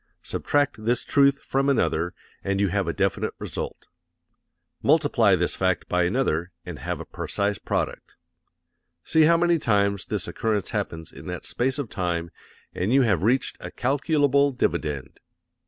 Subtract this truth from another and you have a definite result. Multiply this fact by another and have a precise product. See how many times this occurrence happens in that space of time and you have reached a calculable dividend.